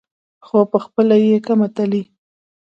خو پخپله یې کمه تلي.